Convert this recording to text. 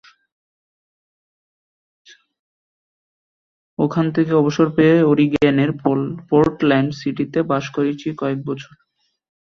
ওখান থেকে অবসর পেয়ে ওরিগ্যানের পোর্টল্যান্ড সিটিতে বাস করেছি কয়েক বছর।